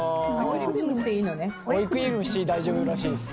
追いクリームして大丈夫らしいです。